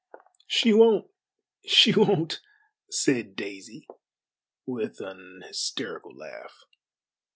"She won't she won't," said Daisy, with an hysterical laugh.